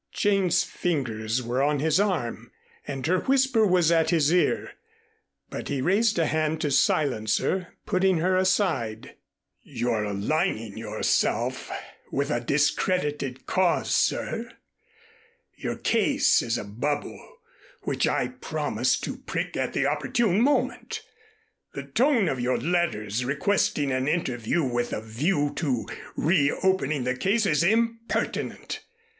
Jane's fingers were on his arm, and her whisper was at his ear, but he raised a hand to silence her, putting her aside. [Illustration: "'Father!' Jane's ... whisper was at his ear."] "You're aligning yourself with a discredited cause, sir. Your case is a bubble which I promise to prick at the opportune moment. The tone of your letters requesting an interview with a view to reopening the case is impertinent.